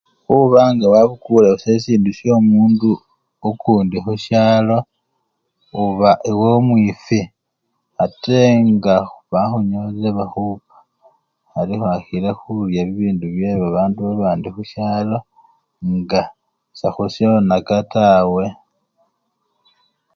Khuba nga wabukule sa-esindu shomundu okundi khushalo oba ewe-omwifwi ate nga bakhunyolile bakhupa, ari khwakhile khurya bibindu bye babandu babandi khushalo nga sekhushonaka tawe.